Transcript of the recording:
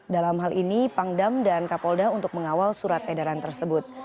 dalam hal ini pangdam dan kapolda untuk mengawal surat edaran tersebut